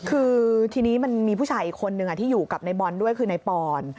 คือทีนี้มันมีผู้ชายอีกคนนึงที่อยู่กับในบอลด้วยคือนายปอน